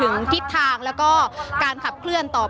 อย่างที่บอกไปว่าเรายังยึดในเรื่องของข้อ